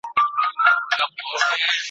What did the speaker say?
چی لېوه کړه د خره پښې ته خوله ورسمه `